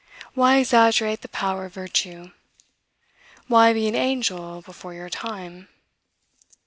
Why exaggerate the power of virtue? Why be an angel before your time?